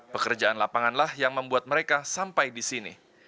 pekerjaan lapanganlah yang membuat mereka sampai di sini